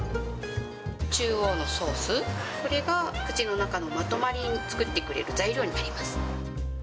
中央のソース、これが口の中のまとまりを作ってくれる材料になります。